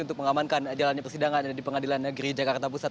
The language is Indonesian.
untuk mengamankan jalannya persidangan di pengadilan negeri jakarta pusat